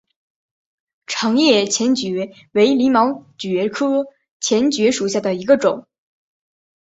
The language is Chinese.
长叶黔蕨为鳞毛蕨科黔蕨属下的一个种。